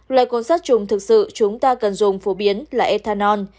loại cuốn sát trùng thực sự chúng ta cần dùng phổ biến là ethanol